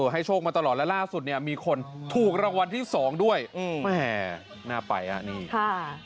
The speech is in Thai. ที่สุดเนี่ยมีคนถูกรางวัลที่๒ด้วยแหม่น่าไปอ่ะนี่ค่ะ